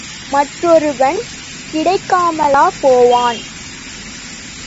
மற்றொருவன் கிடைக்காமலா போவான்.